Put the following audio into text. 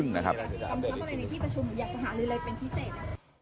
กำชับอะไรในที่ประชุมอยากจะหาลือเลยเป็นพิเศษ